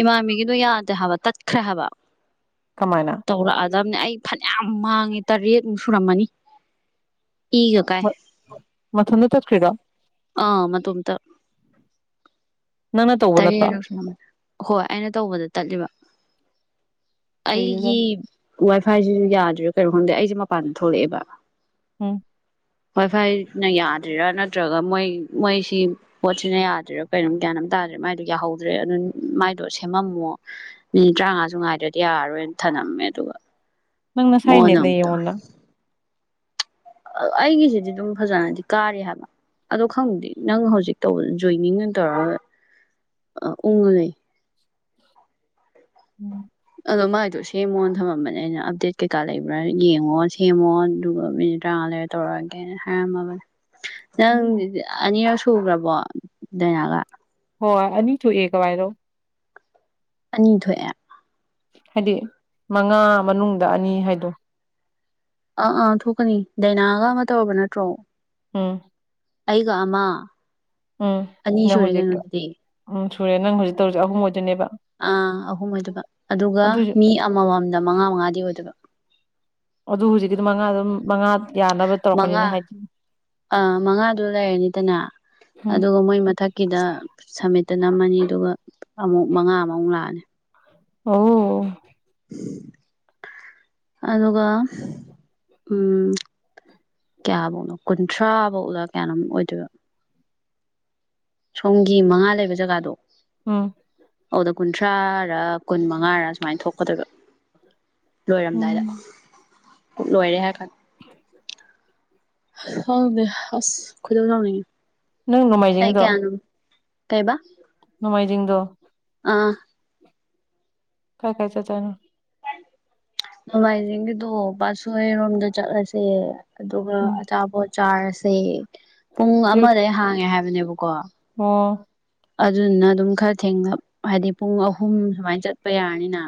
ꯏꯃꯥꯟꯕꯤꯒꯤꯗꯨꯣ ꯌꯥꯗꯦ ꯍꯥꯏꯕ ꯇꯠꯈ꯭ꯔꯦ ꯍꯥꯏꯕ ꯀꯃꯥꯏꯅ ꯇꯧꯔꯛꯑꯗꯕꯅꯦ ꯑꯩ ꯐꯅꯌꯥꯝ ꯃꯥꯡꯉꯦ ꯇꯔꯦꯠ ꯁꯨꯔꯥꯃꯅꯤ ꯃ ꯃꯊꯣꯗ ꯇ ꯀ꯭ꯔꯔꯤꯗꯥ ꯑꯥ ꯃ ꯇꯇ ꯅꯪꯅ ꯇꯧꯕ ꯅꯠꯇ꯭ꯔꯣ ꯇꯔꯦꯠ ꯍꯣꯏ ꯑꯩꯅ ꯇꯧꯕꯗ ꯇꯠꯂꯤꯕ ꯀꯩꯒꯤꯔ ꯑꯩꯒꯤ ꯋꯥꯏꯐꯥꯏꯁꯤꯁꯨ ꯌꯥꯗ꯭ꯔꯁꯨ ꯀꯩꯅꯣ ꯈꯪꯗꯦ ꯑꯩꯁꯦ ꯃꯄꯥꯟꯗ ꯊꯣꯛꯂꯛꯑꯦꯕ ꯎꯝ ꯍꯣꯏ ꯐꯣꯏꯅ ꯌꯥꯗ꯭ꯔꯥ ꯅꯠꯇ꯭ꯔꯒ ꯃꯣꯏ ꯃꯣꯏꯁꯤ ꯄꯣꯠꯁꯤꯅ ꯌꯥꯗ꯭ꯔꯤꯔꯥ ꯀꯩꯅꯣꯝ ꯭ꯌꯥꯝ ꯇꯥꯗ꯭ꯔꯦ ꯃꯥꯏꯗꯣ ꯌꯥꯍꯧꯗ꯭ꯔꯦ ꯑꯗꯨ ꯃꯥꯏꯗꯣ ꯁꯦꯝꯃꯝꯃꯣ ꯃꯤꯅꯤꯠ ꯇꯔꯥꯃꯉꯥꯁꯨ ꯉꯥꯏꯗ꯭ꯔꯗꯤ ꯌꯥꯔꯣꯏꯅ ꯃꯦ ꯇꯕ ꯅꯪꯅ ꯁꯥꯏꯅꯦꯠꯅꯦ ꯌꯦꯡꯉꯣꯟꯅ ꯑꯩꯒꯤꯁꯤꯗꯤ ꯑꯗꯨꯝ ꯐꯖꯅꯗꯤ ꯀꯥꯔꯦ ꯍꯥꯏꯕ ꯑꯗꯣ ꯈꯪꯕꯗꯤ ꯅꯪ ꯍꯧꯖꯤꯛꯧꯕ ꯖꯣꯏꯅꯤꯡ ꯑꯣꯏꯅ ꯇꯧꯔꯒ ꯑ ꯎꯉ ꯂꯩ ꯎꯝ ꯑꯗꯣ ꯃꯥꯏꯗꯣ ꯁꯦꯝꯃꯣꯅ ꯊꯝꯃꯝꯕꯅꯦ ꯑꯩꯅ ꯑꯞꯗꯦꯠ ꯀꯩꯀꯥ ꯂꯩꯕ꯭ꯔꯥ ꯌꯦꯡꯉꯣ ꯁꯦꯝꯃꯣ ꯑꯗꯨꯒ ꯃꯤꯅꯤꯠ ꯇꯔꯥꯃꯉꯥ ꯇꯧꯔꯒꯦ ꯍꯃ ꯅꯪ ꯎꯝ ꯎꯝ ꯑꯅꯤꯔꯛ ꯁꯨꯈ꯭ꯔꯕꯣ ꯗꯥꯏꯅꯥꯒ ꯍꯣꯏ ꯑꯅꯤꯁꯨꯨ ꯑꯦ ꯀꯋꯥꯏꯗꯣ ꯑꯅꯤꯊꯣꯏꯦ ꯍꯥꯏꯗꯤ ꯃꯉꯥ ꯃꯅꯨꯡꯗ ꯑꯅꯤ ꯍꯥꯏꯗꯣ ꯑꯪ ꯑꯥ ꯊꯣꯛꯀꯅꯤ ꯗꯥꯏꯅꯥꯒ ꯑꯃ ꯇꯧꯔꯕ ꯅꯠꯇ꯭ꯔꯣ ꯎꯝ ꯑꯩꯒ ꯑꯃ ꯎꯝ ꯑꯅꯤ ꯅꯪ ꯁꯨꯔꯦ ꯍꯧꯖꯤꯛ ꯀꯩꯅꯣꯗꯨꯗꯤ ꯎꯝ ꯁꯨꯔꯦ ꯅꯪ ꯍꯧꯖꯤꯛ ꯇꯧꯔꯁꯛ ꯑꯍꯨꯝ ꯑꯣꯏꯗꯨꯅꯦꯕ ꯑ ꯑꯍꯨꯝ ꯑꯣꯏꯗꯕ ꯑꯗꯨꯒ ꯑꯗꯨꯁꯨ ꯃꯤ ꯑꯃꯃꯝꯗ ꯃꯉꯥ ꯃꯉꯥꯗꯤ ꯑꯣꯏꯗꯕ ꯑꯗꯨ ꯍꯧꯖꯤꯛꯇꯤ ꯑꯗꯨꯝ ꯃꯉꯥ ꯑꯗꯨꯝ ꯃꯉꯥ ꯌꯥꯅꯕ ꯃꯉꯥ ꯇꯧꯔꯛꯄꯅꯤꯅ ꯍꯥꯏꯗꯤ ꯑꯥ ꯃꯉꯥꯗꯨ ꯂꯩꯔꯅꯤꯗꯅ ꯎꯝ ꯑꯗꯨꯒ ꯃꯣꯏ ꯃꯊꯛꯀꯤꯗ ꯁꯃꯤꯠꯇ ꯅꯝꯃꯅꯤ ꯑꯗꯨꯒ ꯑꯃꯨꯛ ꯃꯉꯥ ꯑꯃꯃꯨꯛ ꯂꯥꯛꯑꯅꯤ ꯑꯣ ꯑꯗꯨꯒ ꯎꯝ ꯀꯌꯥꯐꯧꯅꯣ ꯀꯨꯟꯊ꯭ꯔꯥ ꯐꯧꯅ ꯀꯌꯥꯅꯣꯝ ꯑꯣꯏꯗꯣꯏꯕꯣ ꯁꯣꯝꯒꯤ ꯃꯉꯥ ꯂꯩꯕ ꯖꯒꯥꯗꯣ ꯎꯝ ꯑꯗꯨꯗ ꯀꯨꯟꯊ꯭ꯔꯥꯔ ꯀꯨꯟ ꯃꯉꯥꯔꯥ ꯁꯨꯃꯥꯏꯅ ꯊꯣꯛꯀꯗꯣꯏꯕ ꯂꯣꯏꯔꯝꯗꯥꯏꯗ ꯎꯝ ꯀꯛ ꯂꯣꯏꯔꯦ ꯍꯥꯏ ꯈꯦ ꯍꯅꯦ ꯑꯁ ꯀꯗꯖ ꯅꯪ ꯅꯣꯡꯃꯥꯏꯖꯤꯡꯗꯣ ꯇꯥꯏꯕ ꯅꯣꯡꯃꯥꯏꯖꯤꯡꯗꯣ ꯑꯥ ꯀꯥꯏ ꯀꯥꯏ ꯆ ꯆꯅ ꯅꯣꯡꯃꯥꯏꯖꯤꯡꯒꯤꯗꯣ ꯄꯕꯥꯁꯣꯏꯔꯣꯝꯗ ꯆꯠꯂꯁꯦ ꯑꯗꯨꯒ ꯎꯝ ꯑꯆꯥꯄꯣꯠ ꯆꯥꯔꯁꯦ ꯄꯨꯡ ꯑꯌꯨꯛ ꯑꯃꯗꯩ ꯍꯥꯡꯉꯦ ꯍꯥꯏꯕꯅꯦꯕꯀꯣ ꯑꯣ ꯑꯗꯨꯗꯨꯅ ꯑꯗꯨꯝ ꯈꯔ ꯊꯦꯡꯅ ꯍꯥꯏꯗꯤ ꯄꯨꯡ ꯑꯍꯨꯝ ꯁꯨꯃꯥꯏꯅ ꯆꯠꯄ ꯌꯥꯔꯅꯤꯅ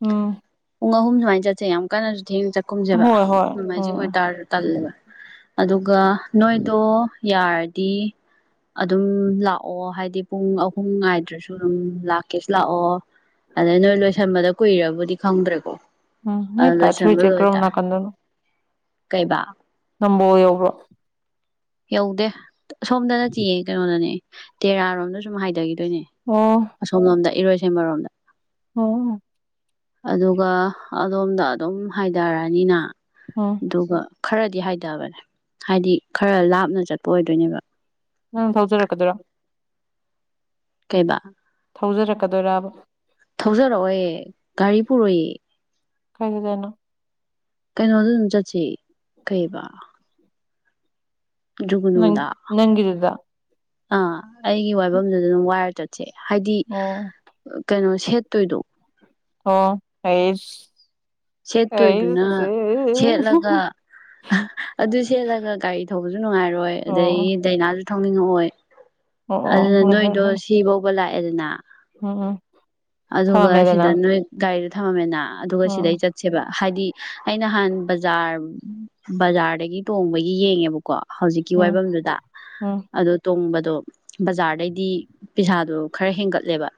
ꯎꯝ ꯄꯨꯡ ꯑꯍꯨꯝ ꯁꯨꯃꯥꯏꯅ ꯆꯠꯁꯦ ꯌꯥꯝ ꯀꯟꯅꯁꯨ ꯊꯦꯡꯅ ꯆꯠꯀꯨꯝꯁꯦꯕ ꯍꯣꯏ ꯍꯣꯏ ꯎꯝ ꯅꯣꯡꯃꯥꯏꯖꯤꯡ ꯎꯝ ꯑꯣꯏꯇꯥꯔꯁꯨ ꯇꯜꯂꯦꯕ ꯑꯗꯨꯒ ꯅꯣꯏꯗꯣ ꯌꯥꯔꯗꯤ ꯑꯗꯨꯝ ꯂꯥꯛꯑꯣ ꯍꯥꯏ ꯍꯥꯏꯗꯤ ꯄꯨꯡ ꯑꯍꯨꯝ ꯉꯥꯏꯗ꯭ꯔꯁꯨ ꯑꯗꯨꯝ ꯂꯥꯛꯀꯦꯁꯨ ꯂꯥꯛꯑꯣ ꯑꯗꯩ ꯅꯣꯏ ꯂꯣꯏꯁꯟꯕꯗ ꯀꯨꯏꯔꯕꯨꯗꯤ ꯈꯪꯗ꯭ꯔꯦꯀꯣ ꯎꯝ ꯅ ꯑꯗ ꯄꯥꯊꯔ ꯆꯀ꯭ꯔ ꯅꯅꯥ ꯀꯗꯅꯣ ꯀꯩꯕ ꯅꯝꯕꯣ ꯌꯧꯕ꯭ꯔꯣ ꯌꯧꯗꯦ ꯑꯁꯣꯝꯗꯅꯠꯇꯤꯌꯦ ꯀꯩꯅꯣꯅꯅꯦ ꯇꯦꯔꯥꯔꯣꯝꯗ ꯁꯨꯝ ꯍꯥꯏꯊꯈꯤ ꯑꯗꯨꯣꯏꯅꯦ ꯑꯣ ꯑꯁꯣꯝꯂꯣꯝꯗ ꯏꯔꯣꯏ ꯁꯦꯝꯕꯔꯣꯝꯗ ꯑꯣ ꯑꯗꯨꯒ ꯑꯗꯣꯝꯗ ꯑꯗꯨꯝ ꯍꯥꯏꯊꯔꯅꯤꯅ ꯎꯝ ꯑꯗꯨꯒ ꯈꯔꯗꯤ ꯍꯥꯏꯊꯕꯅꯦ ꯍꯥꯏꯗꯤ ꯈꯔ ꯂꯥꯞꯅ ꯆꯠꯄ ꯑꯣꯏꯗꯣꯏꯅꯦꯕ ꯅꯪ ꯐꯥꯎꯖꯔꯛꯀꯗꯣꯏꯔꯥ ꯀꯩꯗ ꯊꯧꯖꯔꯛꯀꯗꯣꯏꯔꯕ ꯊꯧꯖꯔꯛꯑꯣꯦ ꯒꯥꯔꯤ ꯄꯨꯔꯛꯏ ꯀꯥꯏꯁꯨꯖꯥꯏꯅ ꯀꯩꯅꯣꯗ ꯑꯗꯨꯝ ꯆꯠꯁꯤ ꯀꯩꯕ ꯅꯪ ꯖꯨꯒꯨꯅꯨꯗ ꯅꯪꯗꯨꯗ ꯑꯥ ꯑꯩꯒꯤ ꯋꯥꯏꯐꯝꯗꯨꯗ ꯑꯗꯨꯝ ꯋꯥꯏꯔ ꯆꯠꯁꯦ ꯍꯥꯏꯗꯤ ꯑꯣ ꯀꯩꯅꯣ ꯁꯦꯠꯇꯣꯏꯗꯣ ꯑꯣ ꯑꯩꯁ ꯁꯦꯠꯇꯣꯏꯗꯨꯅ ꯑꯩꯁꯦ ꯁꯦꯠꯂꯒ ꯑꯗꯨ ꯁꯦꯠꯂꯒ ꯒꯥꯔꯤ ꯊꯧꯕꯁꯨ ꯅꯨꯡꯉꯥꯏꯔꯣꯏ ꯑꯗꯗꯒꯤ ꯑꯣ ꯗꯥꯏꯅꯥꯁꯨ ꯊꯧꯅꯤꯡꯉꯛꯑꯣꯏ ꯑꯣ ꯑꯣ ꯑꯗꯨꯅ ꯍꯣꯏ ꯍꯣꯏ ꯅꯣꯏꯗꯣ ꯁꯤꯐꯥꯎꯕ ꯂꯥꯛꯑꯦꯗꯅ ꯑꯣ ꯑꯗꯨꯒ ꯁꯤꯗ ꯅꯣꯏ ꯒꯥꯔꯤꯗ ꯊꯝꯃꯝꯃꯦꯅ ꯑꯗꯨꯒ ꯎꯝ ꯁꯤꯗꯩ ꯆꯠꯁꯦꯕ ꯍꯥꯏꯗꯤ ꯑ ꯅꯍꯥꯟ ꯕꯖꯥꯔ ꯕꯖꯥꯔꯗꯒꯤ ꯇꯣꯡꯕꯒꯤ ꯌꯦꯡꯉꯦꯕ ꯀꯣ ꯍꯧꯖꯤꯛꯀꯤ ꯎꯝ ꯋꯥꯏꯐꯝꯝꯗꯨꯗ ꯎꯝ ꯑꯣ ꯇꯣꯡꯕꯗꯣ ꯕꯖꯥꯔꯗꯩꯗꯤ ꯄꯩꯁꯥꯗꯨ ꯈꯔ ꯍꯦꯟꯒꯠꯂꯦꯕ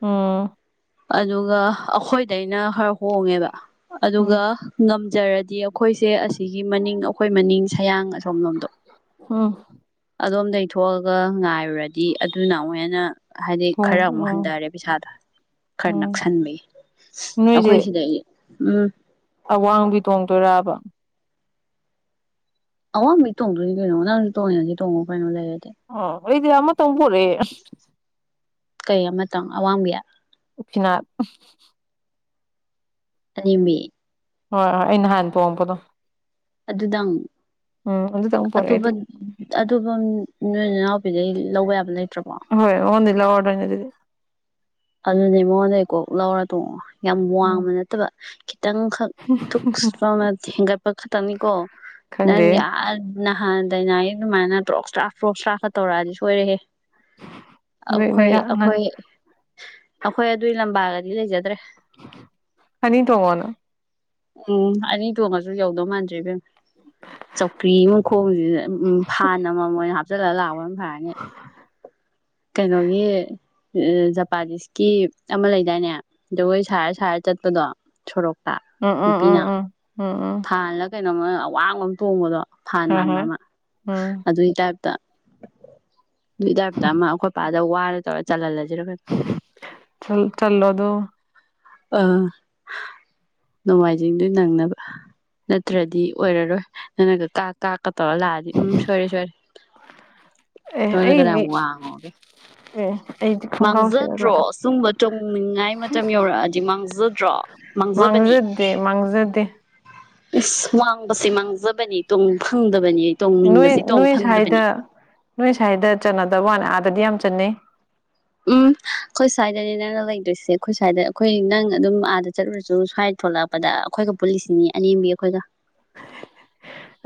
ꯎꯝ ꯑꯗꯨꯒ ꯑꯩꯈꯣꯏꯗꯩꯅ ꯈꯔ ꯍꯣꯡꯉꯦꯕ ꯑꯗꯨꯒ ꯎꯝ ꯖꯔꯗꯤ ꯑꯩꯈꯣꯏꯁꯦ ꯑꯁꯤꯒꯤ ꯃꯅꯤꯡ ꯑꯩꯈꯣꯏ ꯃꯅꯤꯡ ꯁꯌꯥꯡ ꯑꯁꯣꯝ ꯂꯣꯝꯗ ꯑ ꯑꯗꯣꯝꯗꯩꯊꯣꯛꯑꯒ ꯉꯥꯏꯕ ꯑꯗꯨꯨꯔꯗꯤ ꯑꯗꯨꯅ ꯑꯃꯨꯛ ꯍꯦꯟꯅ ꯍꯥꯏꯗꯤ ꯈꯔ ꯊꯣꯡ ꯑꯃꯨꯛ ꯎꯝ ꯍꯟꯊꯔꯦ ꯄꯩꯁꯥꯗꯣ ꯈꯔ ꯎꯝ ꯅꯛꯁꯟꯕ ꯑꯩꯈꯣꯏ ꯅꯣꯏꯁꯦ ꯁꯤꯗ ꯎꯝ ꯑꯋꯥꯡꯕꯤ ꯇꯣꯡꯗꯣꯏꯔꯕ ꯑ ꯃꯤꯃꯤ ꯊꯣꯡ ꯄꯩꯅꯅꯣꯅꯅ ꯊꯣꯡꯁꯤ ꯊꯣꯡꯣ ꯄꯅꯣ ꯂꯩ ꯑꯣ ꯑꯩꯗꯤꯃ ꯃꯇꯝꯕꯨꯣꯔꯦ ꯀꯩ ꯑꯃꯇꯪ ꯑꯋꯥꯡꯕ ꯌꯥꯏ ꯐꯅ ꯑꯅꯤꯃꯤ ꯍꯣꯏ ꯍꯣꯏ ꯑꯩ ꯅꯍꯥꯟ ꯇꯣꯡꯝꯕꯗꯣ ꯑꯗꯨꯗꯥꯥꯡ ꯎꯝ ꯑꯗꯨꯗ ꯇꯉ ꯄꯨꯔꯗꯤ ꯑꯗꯨ ꯅꯣꯏ ꯏꯅꯥꯎꯄꯤꯗꯩ ꯂꯧꯕ ꯌꯥꯕ ꯂꯩ ꯍꯣꯏ ꯑꯣꯟꯂ ꯑꯣꯔꯗꯔꯅ ꯑꯗꯨꯗꯤ ꯑꯗꯨꯅꯦ ꯃꯉꯣꯟꯗꯩ ꯀꯣꯛ ꯂꯧꯔ ꯇꯣꯡ ꯌꯥꯝ ꯋꯥꯡꯕ ꯅꯠꯇꯕ ꯈꯤꯇꯪꯈꯛ ꯊꯨꯛ ꯁ ꯆꯥꯎꯅ ꯍꯦꯟꯒꯠꯄ ꯈꯛꯇꯅꯤꯀꯣ ꯅꯪ ꯈꯪꯗꯦ ꯌꯥ ꯅꯍꯥꯟ ꯗꯥꯅꯥꯒꯤ ꯑꯗꯨꯃꯥꯏꯅ ꯇ꯭ꯔꯣꯛ ꯁ꯭ꯔꯥꯛ ꯐ꯭ꯔꯣꯛ ꯁ꯭ꯔꯥꯛꯀ ꯇꯧꯔꯛꯑꯗꯤ ꯁꯣꯏꯔꯦꯍꯦ ꯅꯣꯏ ꯑꯩꯈꯣꯏ ꯅꯣꯏ ꯑꯩꯈꯣꯏ ꯅꯪ ꯑꯩꯈꯣꯏ ꯑꯗꯨꯒꯤ ꯂꯝꯕꯥꯒꯗꯤ ꯂꯩꯖꯗ꯭ꯔꯦ ꯍꯥꯏꯅꯤ ꯇꯣꯡꯉꯅ ꯎꯝ ꯑꯅꯤ ꯊꯣꯡꯉꯁꯨ ꯌꯧꯗꯧ ꯃꯥꯟꯗꯦ ꯏꯕꯦꯝ ꯎ ꯆꯧꯀ꯭ꯔꯤ ꯃꯈꯣꯡꯁꯤꯗ ꯎ ꯐꯥꯟ ꯑꯃ ꯃꯣꯏꯅ ꯍꯥꯞꯆꯜꯂꯒ ꯂꯥꯛꯄꯅ ꯐꯔꯅꯤ ꯀꯩꯅꯣꯒꯤ ꯖꯄꯥꯅꯤꯁꯀꯤ ꯑꯃ ꯂꯩꯗꯥꯏꯅꯦ ꯖꯒꯣꯏ ꯁꯥꯔ ꯁꯥꯔ ꯆꯠꯄꯗꯣ ꯁꯣꯔꯣꯛꯄ ꯎꯝ ꯎꯝ ꯎꯝ ꯎꯝ ꯎꯝ ꯎꯝ ꯀꯩꯅꯣꯝ ꯑꯋꯥꯡꯕ ꯑꯃ ꯇꯣꯡꯕꯗꯣ ꯐꯥꯟ ꯍꯣꯏ ꯃꯥꯟꯕ ꯍꯣꯏ ꯑꯃ ꯎꯝ ꯑꯗꯨꯒꯤ ꯇꯥꯏꯞ ꯑꯗꯨ ꯇꯔꯇ ꯑꯃ ꯑꯩꯈꯣꯏꯄꯥꯗ ꯋꯥꯔ ꯇꯧꯔ ꯆꯜꯍꯜꯂꯁꯤ ꯆ ꯆꯜꯂꯣꯗꯣ ꯑꯥ ꯅꯣꯡꯃꯥꯏꯖꯤꯡꯗꯨ ꯅꯪꯅꯕ ꯅꯠꯇ꯭ꯔꯗꯤ ꯑꯣꯏꯔꯔꯣꯏ ꯅꯪꯅꯒ ꯀꯥ ꯇ ꯀꯇ ꯂꯑꯗꯤ ꯎꯝ ꯁꯣꯔꯤ ꯁꯣꯔꯤ ꯑꯦ ꯇ ꯃꯅ ꯀꯗꯥ ꯑꯩꯗꯤ ꯎꯉꯒꯦ ꯑꯦ ꯑꯩꯗꯤ ꯈꯣꯡꯒ꯭ꯔꯥꯎ ꯃꯥꯡꯖꯗ꯭ꯔꯣ ꯁꯦꯠꯂꯛꯀꯗ꯭ꯔꯥ ꯁꯨꯝꯕ ꯇꯣꯡꯅꯤꯡꯉꯥꯏ ꯃꯇꯝ ꯌꯧꯔꯛꯑꯗꯤ ꯃꯥꯡꯖꯗ꯭ꯔꯣ ꯃꯥꯡꯖꯕꯅꯤ ꯃꯥꯡꯖꯗꯦ ꯃꯥꯡꯖꯗꯦ ꯑꯁ ꯋꯥꯡꯕꯁꯤꯦ ꯃꯥꯡꯖꯕꯅꯤꯨꯡ ꯐꯪꯗꯕ ꯅꯣꯏ ꯅꯣꯏ ꯁ꯭ꯋꯥꯗ ꯅꯣꯏ ꯁ꯭ꯋꯥꯏꯗ ꯆꯠꯅꯗꯕ ꯋꯥꯅꯤ ꯁꯗꯤꯌꯥꯝ ꯆꯟꯅꯩ ꯎꯝ ꯑꯩꯈꯣꯏ ꯁ꯭ꯋꯥꯏꯗꯅꯦ ꯅꯪꯅ ꯂꯩꯗꯣꯏꯁꯦ ꯑꯩꯈꯣꯏ ꯁ꯭ꯋꯥꯏꯗ ꯑꯩꯈꯣꯏ ꯅꯪ ꯑꯗꯨꯝ ꯑꯥꯗ ꯆꯠꯂꯨꯔꯁꯨ ꯁ꯭ꯋꯥꯏꯗ ꯊꯣꯛꯂꯛꯄꯗ ꯑꯩꯈꯣꯏꯒ ꯄꯨꯜꯂꯤꯁꯤꯅꯤ ꯑꯅꯦꯝꯕꯤ ꯑꯩꯈꯣꯏꯒ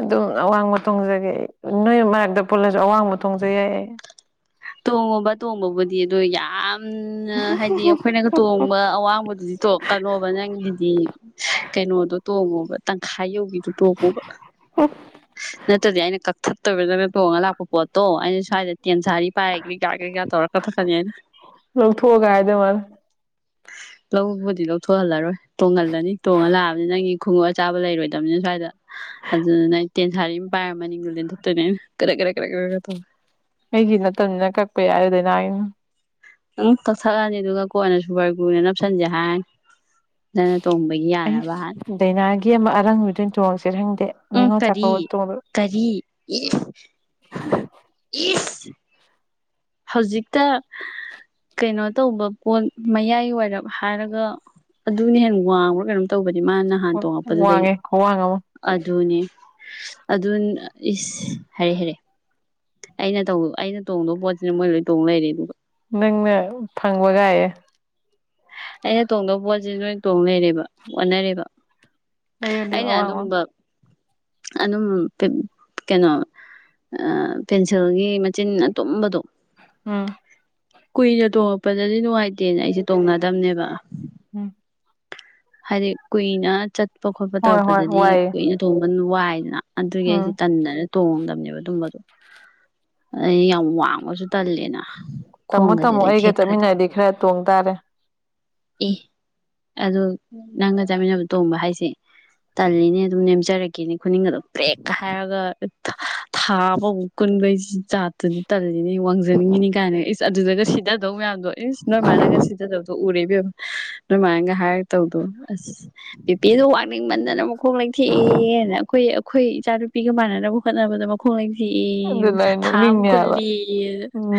ꯑꯗꯨꯝ ꯑꯋꯥꯡꯕ ꯊꯣꯡꯖꯒꯦ ꯅꯣꯏ ꯃꯔꯛꯇ ꯄꯨꯜꯂꯁꯨ ꯑꯋꯥꯡꯕ ꯊꯣꯡꯖ ꯌꯥꯏ ꯇꯣꯡꯉꯕ ꯇꯣꯡꯕꯕꯨꯗꯤ ꯑꯗꯣ ꯌꯥꯝ ꯎ ꯍꯥꯏꯗꯤ ꯑꯩꯈꯣꯏꯅꯒ ꯇꯣꯡꯕ ꯑꯋꯥꯡꯕꯗꯨꯗꯤ ꯇꯣꯛꯀꯅꯣꯕ ꯅꯪꯒꯤꯗꯤ ꯀꯩꯅꯣꯗꯣ ꯇꯣꯡꯉꯣꯕ ꯇꯪꯈꯥꯏ ꯌꯧꯕꯤꯗꯨꯣ ꯇꯣꯡꯉꯣꯕ ꯅꯠꯇ꯭ꯔꯗꯤ ꯑꯩꯅ ꯐꯠꯇꯕꯗꯅ ꯇꯣꯡꯉꯒ ꯂꯥꯛꯄ ꯄꯣꯠꯇꯣ ꯑꯩꯅ ꯁ꯭ꯋꯥꯏꯗ ꯇꯦꯟ ꯄꯥꯏꯒꯩ ꯀꯥ ꯀꯩꯀꯥ ꯇꯧꯔꯛꯒ ꯐꯛꯀꯅꯤ ꯍꯥꯏꯅ ꯂꯧꯊꯣꯛꯑꯒ ꯍꯥꯏꯗꯧ ꯃꯥꯜꯂꯦ ꯂꯧꯕꯨꯗꯤ ꯂꯧꯊꯣꯛꯍꯜꯂꯔꯣꯏ ꯇꯣꯡꯍꯜꯂꯅꯤ ꯇꯣꯡꯉꯜꯂꯥꯛꯑꯕꯅꯤ ꯅꯪꯒꯤ ꯈꯣꯡꯎꯞ ꯑꯆꯥꯕ ꯂꯩꯔꯣꯏꯗꯕꯅꯤꯅ ꯁ꯭ꯋꯥꯏꯗ ꯑꯗꯨ ꯏꯦꯟ ꯁꯥꯔꯤꯝ ꯄꯥꯏ ꯅꯠꯇꯅꯦ ꯀꯔ ꯀꯔ ꯀꯔ ꯄꯦꯔꯗꯅꯅ ꯅꯪ ꯀꯛꯊꯛꯂꯅꯤ ꯑꯗꯨꯒ ꯀꯣꯟꯅ ꯁꯨꯕꯔꯒꯨꯅ ꯅꯞꯁꯟꯁꯦ ꯍꯥꯏꯅꯤ ꯅꯪꯅ ꯇꯣꯡꯕꯒꯤ ꯌꯥꯅꯕ ꯑꯩꯁ ꯍꯥꯟꯅ ꯗꯥꯏꯅꯥꯒꯤ ꯑꯃ ꯑꯔꯥꯡ ꯅꯨꯃꯤꯗ ꯆꯣꯡꯉꯁꯤ ꯔ ꯍꯪꯗꯦ ꯎꯝ ꯅꯤꯡꯉꯣ ꯀꯔꯤ ꯆꯄ ꯇ ꯀꯔꯤ ꯏꯁ ꯏꯁ ꯍꯧꯖꯤꯛꯇ ꯀꯩꯅꯣ ꯇꯧꯕ ꯄꯣꯠ ꯃꯌꯥꯏ ꯋꯥꯏꯔꯞ ꯍꯥꯏꯔꯒ ꯑꯗꯨꯅꯦ ꯍꯦ ꯋꯥꯡꯕ꯭ꯔꯥ ꯀꯩꯅꯣꯝ ꯇꯧꯕꯅꯦ ꯃꯥ ꯅꯍꯥꯟ ꯇꯣꯡꯉꯛꯄꯗꯨꯗꯩ ꯋꯥꯡꯉꯦ ꯈꯨꯋꯥꯡ ꯑꯃ ꯑꯗꯨꯅꯦ ꯑꯗꯨ ꯏꯁ ꯍꯥꯏꯔꯦ ꯍꯥꯏꯔꯦ ꯑꯩꯅ ꯇ ꯑꯩꯅ ꯇꯣꯡꯗꯕ ꯄꯣꯠꯁꯤꯅ ꯃꯣꯏ ꯂꯣꯏ ꯇꯣꯡ ꯂꯩꯔꯦ ꯑꯗꯨꯒ ꯅꯪꯅ ꯐꯪꯕꯒꯌꯦꯦ ꯑꯩꯅ ꯇꯣꯡꯗꯕ ꯄꯣꯠꯁꯤ ꯅꯣꯏ ꯇꯣꯡ ꯂꯩꯔꯦꯕ ꯑꯣꯠꯟꯅꯔꯦꯕ ꯑꯌꯣ ꯂꯩ ꯑ ꯋꯥ ꯑꯗꯨꯅ ꯀꯩꯅꯣ ꯄꯦꯟꯁꯤꯜꯒꯤ ꯃꯆꯤꯟ ꯑꯇꯨꯝꯕꯗꯣ ꯎꯝ ꯀꯨꯏꯅ ꯇꯣꯡꯉꯛꯄꯗꯗꯤ ꯅꯨꯡꯉꯥꯏꯇꯦꯅ ꯑꯩꯁꯦ ꯇꯣꯡꯅꯗꯝꯅꯦꯕ ꯎꯝ ꯍꯥꯏꯗꯤ ꯀꯨꯏꯅ ꯆꯠꯄ ꯈꯣꯠꯄ ꯍꯣꯏ ꯍꯣꯏ ꯇꯧꯔꯛꯄꯗꯗꯤ ꯋꯥꯏꯌꯦ ꯀꯨꯏꯅ ꯊꯣꯡꯕ ꯋꯥꯏꯗꯅ ꯑꯗꯨꯒꯤ ꯎꯝ ꯑꯩꯁ ꯇꯟꯗꯅ ꯇꯣꯡꯉꯝꯗꯕꯅꯦ ꯑꯗꯨꯝꯕꯗꯣ ꯑ ꯌꯥꯝ ꯋꯥꯡꯕꯁꯨ ꯇꯜꯂꯦꯅ ꯇꯝꯃꯣ ꯈꯣꯡꯒꯁꯦ ꯇꯝꯃꯣ ꯑꯩꯒ ꯂꯩꯊꯦꯛꯈ꯭ꯔꯗꯤ ꯆꯠꯃꯤꯟꯅꯔꯗꯤ ꯈꯔ ꯇꯣꯡ ꯇꯥꯔꯦ ꯑꯦ ꯑꯗꯨ ꯅꯪꯒ ꯆꯥꯃꯤꯟꯅꯕ ꯇꯣꯡꯕ ꯍꯥꯏꯁꯦ ꯇꯜꯂꯤꯅꯦ ꯑꯗꯨꯝ ꯅꯦꯝꯖꯔꯒꯦꯅꯦ ꯈꯨꯅꯤꯡꯒ ꯑꯗꯨꯝ ꯄ꯭ꯔꯦꯛꯀ ꯍꯥꯏꯔꯒ ꯊꯥꯕ ꯑꯣꯣꯛꯒꯅꯕꯁꯤ ꯆꯥꯠꯇꯨꯗꯤ ꯇꯜꯂꯤꯅꯤ ꯋꯥꯡꯖꯟꯅꯤꯡꯉꯤꯅꯤ ꯀꯥꯏꯅ ꯏꯁ ꯑꯗꯨꯗꯒ ꯁꯤꯗꯗꯧ ꯃꯌꯥꯝꯗ ꯣ ꯏꯁ ꯅꯣꯏꯃꯅꯒ ꯁꯤꯗꯗꯧꯗꯣ ꯎꯔꯦꯕꯕ ꯅꯣꯏꯃꯅꯒ ꯍꯥꯏ ꯇꯧꯗꯣ ꯑꯁ ꯕꯤꯄꯦꯗꯣ ꯋꯥꯋꯥꯛꯅꯤꯡꯃꯟꯗꯅ ꯃꯈꯣꯡ ꯂꯩꯊꯦꯛꯑꯦꯅ ꯑꯩꯈꯣꯏ ꯑꯩꯈꯣꯏ ꯏꯆꯥ ꯅꯨꯨꯄꯤꯒ ꯃꯥꯟꯅꯅꯕ ꯍꯣꯠꯅꯕꯗ ꯃꯈꯣꯡ ꯑꯗꯨꯅ ꯑꯩ ꯊꯥꯕ ꯅꯣꯛꯅꯤꯡꯉꯦ ꯍꯥꯏꯕ ꯀꯜꯂꯤ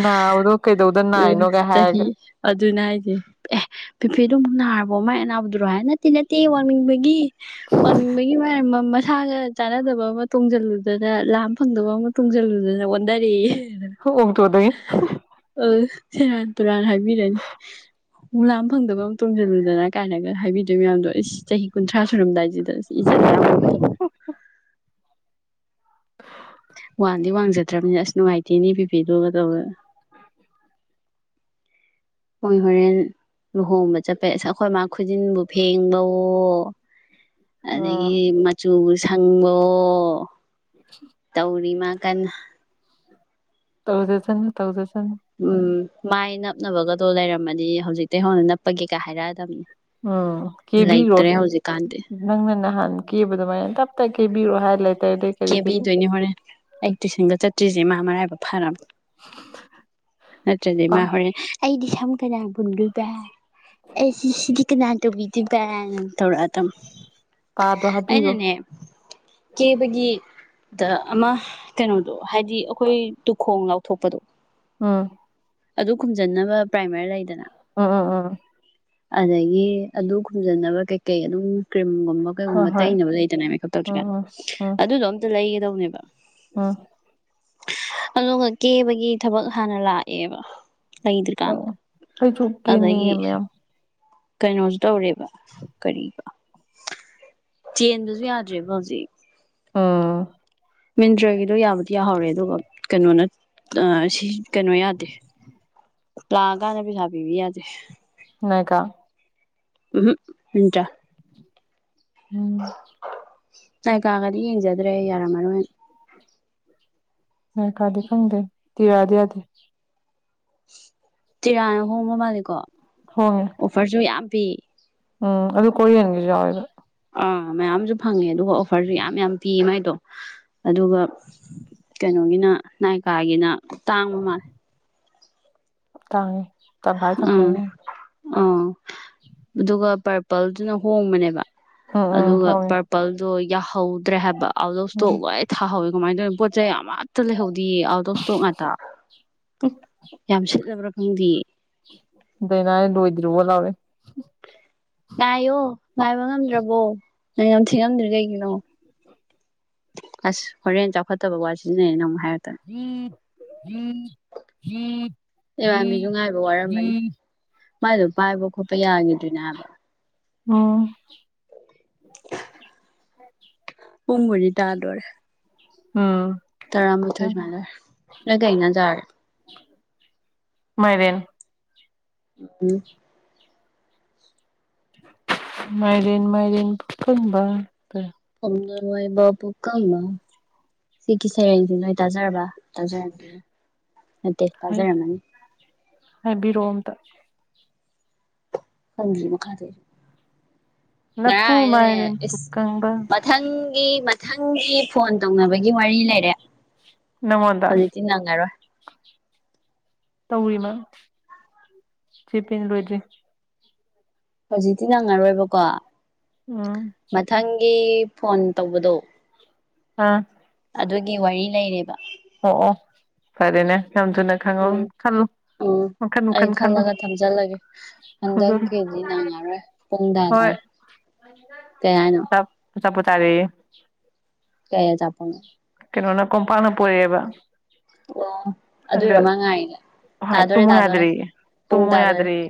ꯅꯥꯕꯗꯣ ꯀꯩꯗꯧꯗ ꯎ ꯅꯥꯏꯅꯣꯒ ꯍꯥꯏꯔꯒ ꯆꯍꯤꯍꯤ ꯑꯗꯨꯅ ꯑꯩꯗꯤ ꯑꯦ ꯄꯤꯐꯦꯗꯨ ꯑꯃꯨꯛ ꯅꯥꯔꯕꯣ ꯃꯥꯏ ꯑꯅꯥꯎꯕꯗꯨꯔꯣ ꯍꯥꯏꯅꯦ ꯅꯠꯇꯦ ꯅꯠꯇꯦ ꯋꯥꯡꯅꯤꯡꯕꯒꯤ ꯋꯥꯡꯅꯤꯡꯕꯒꯤ ꯃꯔꯝ ꯑꯃ ꯁꯥꯒ ꯆꯥꯟꯅꯗꯕ ꯑꯃ ꯇꯣꯡꯁꯤꯜꯂꯨꯗꯅ ꯂꯥ ꯐꯪꯗꯕ ꯑꯃ ꯇꯣꯡꯁꯤꯜꯂꯨꯗꯅ ꯑꯣꯟꯊꯔꯛ ꯑꯣꯡꯇꯣꯗꯒꯤ ꯑ ꯁꯦꯔꯥꯟ ꯇꯨꯔꯥꯟ ꯍꯥꯏꯕꯤꯔꯅꯤ ꯃꯨꯂꯥꯝ ꯐꯪꯗꯕ ꯑꯃ ꯇꯣꯡꯁꯤꯜꯂꯨꯗꯅ ꯀꯥꯏꯅꯒ ꯍꯥꯏꯕꯤ ꯑꯗꯨ ꯃꯌꯥꯝꯗꯣ ꯆꯍꯤ ꯀꯨꯟꯊ꯭ꯔꯥ ꯁꯨꯔꯝꯗꯥꯏꯁꯤꯗ ꯏꯖꯠ ꯍꯔꯥ ꯑꯣꯏꯕ ꯊꯕꯛ ꯋꯥꯟꯗꯤ ꯋꯥꯡꯖꯗ꯭ꯔꯕꯅꯤ ꯑꯁ ꯅꯨꯡꯉꯥꯏꯇꯦꯅꯦ ꯄꯤꯕꯤꯦꯗꯨꯒ ꯇꯧ ꯎꯣꯏꯍꯔꯦꯜ ꯂꯨꯍꯣꯡꯕ ꯆꯠꯄꯩ ꯑꯁ ꯑꯩꯈꯣꯏ ꯃꯥ ꯈꯨꯖꯤꯟꯕꯨ ꯐꯦꯡꯕꯋꯣ ꯎꯝ ꯑꯗꯒꯤ ꯃꯆꯨ ꯁꯪꯕꯣ [inaudible] ꯇꯧꯔꯤꯃ ꯀꯟꯅ ꯇꯧꯗꯦꯁꯅꯦ ꯇꯧꯗ ꯆ ꯎꯝ ꯃꯥꯏ ꯅꯞꯅꯕꯒꯗꯣ ꯂꯩꯔꯝꯃꯗꯤ ꯍꯧꯖꯤꯛꯇ ꯍꯧꯣꯟꯅ ꯅꯞꯄꯒꯦ ꯀ ꯍꯥꯏꯔꯛꯑꯗꯕꯅꯤ ꯎꯝ ꯀꯦꯕꯤꯔꯣ ꯂꯩꯇ꯭ꯔꯦ ꯍꯧꯖꯤꯛꯀꯥꯟꯗꯤ ꯅꯪꯅ ꯅꯍꯥꯟ ꯀꯦꯕ ꯑꯗꯨꯃꯥꯏꯅ ꯇꯞꯇ ꯊꯕꯤꯔꯣ ꯍꯥꯏ ꯂꯩ ꯀꯦꯕꯤꯗꯣꯏꯅꯦ ꯍꯣꯔꯦꯟ ꯑꯩ ꯇꯨꯏꯁꯟꯕ ꯆꯠꯇ꯭ꯔꯤꯁꯦ ꯃꯥ ꯃꯔꯥꯏꯕ ꯐꯔꯕꯝꯅꯦ ꯅꯠꯇ꯭ꯔꯗꯤ ꯄꯥ ꯃꯥ ꯍꯣꯔꯦꯟ ꯑꯩꯗꯤ ꯁꯝ ꯀꯅꯥ ꯟꯣꯏꯕ ꯑꯦꯁꯤꯅꯥ ꯇꯣꯕꯤꯗꯤ ꯄꯔ ꯊꯔ ꯑꯗꯨꯝ ꯀꯥꯗꯣ ꯍꯥꯞꯄꯤꯔꯣ ꯀꯕꯒꯤ ꯗ ꯑꯃ ꯀꯩꯅꯣꯗꯣ ꯍꯥꯏꯗꯤ ꯑꯩꯈꯣꯏ ꯇꯨꯈꯣꯡ ꯂꯥꯎꯊꯣꯛꯄꯗꯣ ꯎꯝ ꯑꯗꯨ ꯈꯨꯝꯖꯟꯅꯕ ꯄ꯭ꯔꯥꯏꯃꯔꯤ ꯂꯩꯗꯅ ꯎꯝ ꯎꯝ ꯎꯝ ꯑꯗꯒꯤ ꯑꯗꯨ ꯈꯨꯝꯖꯟꯅꯕ ꯀꯩꯀꯩ ꯑꯗꯨꯝ ꯒꯨꯝꯕ ꯍꯣꯏ ꯀꯩꯒꯨꯝꯕ ꯍꯣꯏ ꯇꯩꯅꯕ ꯂꯩꯇꯅ ꯃꯦꯀꯞ ꯇꯧꯗ꯭ꯔꯤ ꯎꯝ ꯀꯥꯏꯅ ꯎꯝ ꯑꯗꯨꯗꯣ ꯑꯝꯇ ꯂꯩꯒꯗꯧꯅꯦꯕ ꯑꯥ ꯑꯗꯨꯒ ꯀꯦꯕꯒꯤ ꯊꯕꯛ ꯍꯥꯟꯅ ꯂꯥꯛꯑꯦꯕ ꯂꯩꯗꯔꯀꯥꯟ ꯑꯣ ꯑꯩꯁꯨ ꯑꯗꯒꯤ ꯀꯦꯅꯤꯡꯉꯦ ꯃꯌꯥꯝ ꯀꯩꯅꯣꯁꯨ ꯇꯧꯔꯦꯕ ꯀ ꯆꯦꯟꯗꯁꯨ ꯌꯥꯗ꯭ꯔꯦꯕ ꯍꯧꯖꯤꯛ ꯑꯥ ꯃꯤꯟꯗ꯭ꯔꯒꯤꯗꯣ ꯌꯥꯕꯨꯗꯤ ꯌꯥꯍꯧꯔꯦ ꯑꯗꯨꯒ ꯀꯩꯅꯣꯅ ꯁꯤ ꯀꯩꯅꯣ ꯌꯥꯗꯦ ꯂꯥꯛꯑꯀꯥꯟꯗ ꯄꯩꯁꯥ ꯄꯤꯕ ꯌꯥꯗꯦ ꯉ ꯀ ꯎꯝ ꯎꯇ ꯎꯝ ꯥꯏ ꯀꯥꯒꯗꯤ ꯌꯦꯡꯖꯗ꯭ꯔꯦ ꯌꯥꯔꯝꯃꯔꯣꯏ ꯃ ꯀꯥꯗ ꯈꯪꯗꯦ ꯇꯔ ꯌꯥꯗ ꯌꯥꯗꯦ ꯇꯤꯔꯥꯅ ꯍꯣꯡꯕ ꯃꯥꯜꯜꯂꯤꯦꯀꯣ ꯍꯣꯡꯉꯦ ꯑꯣꯐꯔꯁꯨ ꯌꯥꯝ ꯄꯤ ꯎꯝ ꯑꯗꯨ ꯀꯔꯤꯅꯤꯡꯒꯁꯨꯎꯒ ꯑꯥ ꯃꯌꯥꯝꯁꯨ ꯐꯪꯉꯦ ꯑꯗꯨꯒ ꯑꯣꯐꯔꯁꯨ ꯌꯥꯝ ꯌꯥꯝ ꯄꯤꯌꯦ ꯃꯥꯏꯗꯣ ꯑꯗꯨꯒ ꯀꯩꯅꯣꯒꯤꯅ ꯅꯥꯏꯀꯥꯒꯤꯅ ꯇꯥꯡ ꯑꯃꯜ ꯇꯥꯡꯉꯤ ꯎꯝ ꯑ ꯑꯗꯨꯒ ꯄꯔꯄꯜꯗꯨꯅ ꯍꯣꯡꯕꯅꯦꯕ ꯎꯝ ꯎꯝ ꯑꯗꯨꯒ ꯍꯣꯡꯉꯦ ꯄꯔꯄꯜꯗꯣ ꯠꯇ꯭ꯔꯦ ꯍꯥꯏꯕ ꯑꯥꯎꯠ ꯑꯣꯐ ꯎꯝ ꯏꯁꯇꯣꯛ ꯂꯣꯏ ꯊꯥꯍꯧꯋꯦ ꯀꯃꯥꯏꯅ ꯇꯧꯋꯤ ꯄꯣꯠ ꯆꯩ ꯌꯥꯝ ꯑꯃꯠꯇ ꯂꯩꯍꯧꯗꯌꯦ ꯑꯥꯎꯠ ꯑꯣꯐ ꯏꯁꯇꯣꯛ ꯉꯥꯛꯇ ꯌꯥꯝ ꯁꯤꯠꯂꯕ꯭ꯔꯥ ꯈꯪꯗꯦ ꯗꯗꯥꯅꯥ ꯂꯣꯏꯗ꯭ꯔꯤꯕꯨꯕ ꯂꯥꯎꯋꯦ ꯉꯥꯏꯌꯣ ꯉꯥꯏꯕ ꯉꯝꯗ꯭ꯔꯕꯣ ꯅꯪ ꯉꯝ ꯊꯤ ꯉꯝꯗ꯭ꯔꯤ ꯀꯩꯒꯤꯅꯣ ꯑꯁ ꯍꯣꯔꯦꯟ ꯆꯥꯎꯈꯠꯇꯕ ꯋꯥ ꯁꯤꯟꯅꯩ ꯅꯪꯃꯥꯏ ꯎꯝ ꯎꯝ ꯎꯝ ꯏꯕꯥꯕꯤꯁꯨ ꯉꯥꯏꯕ ꯋꯥꯔꯝꯃꯅꯤ ꯃꯥꯗꯣ ꯄꯥꯏꯕ ꯈꯣꯠꯄ ꯌꯥꯈꯤꯗꯣꯏꯅꯦ ꯍꯥꯏꯕ ꯎꯝ ꯄꯨꯡꯒꯔꯤ ꯇꯥꯗꯔ ꯎꯝ ꯇꯔꯥꯝꯕꯨꯊ ꯃꯥꯂ ꯂ ꯀꯥꯏꯅ ꯔ ꯃꯣꯏꯔꯦꯟ ꯎꯝ ꯎꯝ ꯃꯥꯏꯔꯤꯦꯟ ꯃꯥꯏꯔꯤꯦꯟ ꯐꯪꯕ ꯃꯥꯏ ꯕꯨ ꯀ ꯁꯤꯒꯤ ꯁꯩꯔꯦꯡꯁꯤ ꯅꯣꯏ ꯇꯥꯖꯔꯕ ꯇꯥꯖꯔꯝꯒꯦ ꯗꯦꯇꯥꯖꯔ ꯃꯥꯅꯤ ꯍꯥꯏꯕꯤꯔꯣ ꯑꯝꯇ ꯍꯪ ꯃꯈ ꯀꯥꯗ ꯂꯐꯨ ꯉꯔꯥꯏꯅꯅꯦ ꯃꯥꯏꯔꯦꯟ ꯏꯁ ꯄꯨꯀꯪꯕ ꯃꯊꯪ ꯒꯤ ꯃꯊꯪꯒꯤ ꯐꯣꯟ ꯇꯧꯅꯕꯒꯤ ꯋꯥꯔꯤ ꯂꯩꯔꯦ ꯅꯪꯉꯣꯟꯗ ꯍꯧꯖꯤꯛꯛꯇꯤ ꯅꯪꯉꯥꯏꯔꯣꯏ ꯇꯧꯔꯤꯃ ꯆꯦ ꯄꯦꯅ ꯂꯣꯏꯗ꯭ꯔꯤ ꯍꯧꯖꯤꯛꯇꯤ ꯅꯪꯉꯔꯣꯏꯕꯀꯣ ꯎꯝ ꯑꯦ ꯐꯣꯟ ꯇꯧꯕꯗꯣ ꯑꯥ ꯑꯗꯨꯒꯤ ꯋꯥꯔꯤ ꯂꯩꯔꯦꯕ ꯑꯣ ꯑꯣ ꯐꯔꯦꯅꯦ ꯌꯥꯝ ꯊꯨꯅ ꯈꯪꯉꯣ ꯎꯝ ꯈꯜꯂꯣ ꯎꯝ ꯑꯩ ꯈꯜꯂꯒ ꯊꯝꯖꯜꯂꯒꯦ ꯍꯧꯖꯜꯂꯨ ꯍꯟꯗꯛꯀꯤꯗꯤ ꯅꯪꯉꯔꯣꯏ ꯄꯨꯡ ꯇꯥꯗꯔꯦ ꯎ ꯁꯞ ꯆꯞ ꯄꯨꯇꯥꯔꯦ ꯀ ꯆꯄꯅ ꯀꯩꯅꯣꯅ ꯀꯝꯄꯥꯟꯅ ꯄꯨꯔꯛꯑꯦꯕ ꯑꯣ ꯑꯗꯨꯔ ꯃꯉꯥꯏꯒ ꯍꯣꯏ ꯇꯥꯗꯔꯦ ꯇꯨꯝꯃꯨ ꯇꯥꯗꯔꯦ ꯌꯥꯗ꯭ꯔꯦꯌꯦ ꯄꯨꯡ ꯇꯨꯝꯃꯨ ꯇꯥꯗꯔꯦ ꯌꯥꯗ꯭ꯔꯦꯌꯦ